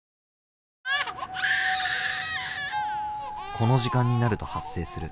この時間になると発生する